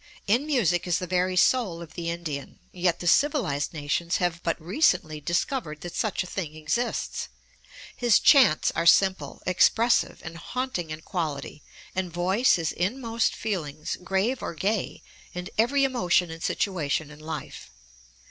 In music is the very soul of the Indian; yet the civilized nations have but recently discovered that such a thing exists! His chants are simple, expressive, and haunting in quality, and voice his inmost feelings, grave or gay, in every emotion and situation in life.